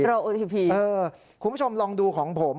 คุณผู้ชมลองดูของผม